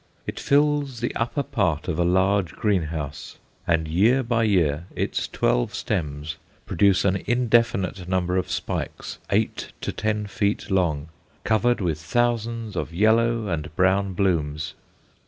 It fills the upper part of a large greenhouse, and year by year its twelve stems produce an indefinite number of spikes, eight to ten feet long, covered with thousands of yellow and brown blooms.